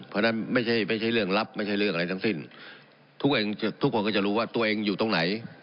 เพราะฉะนั้นไม่ใช่เรื่องลับไม่ใช่เรื่องอะไรทั้งสิ้นทุกคนก็จะรู้ว่าตัวเองอยู่ตรงไหน